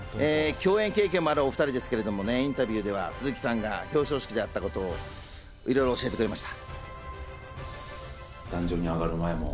共演経験もあるお２人ですが、インタビューでは鈴木さんが表彰式であったいろんなことを教えてくれました。